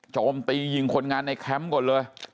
โจมตียิงคนงานในแคมป์ก่อนเลย